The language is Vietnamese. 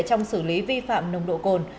trong xử lý vi phạm nồng độ cồn